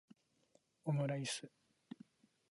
オムライス